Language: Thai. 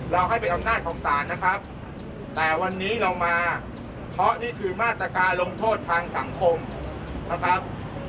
ให้เป็นอำนาจของศาลนะครับแต่วันนี้เรามาเพราะนี่คือมาตรการลงโทษทางสังคมนะครับ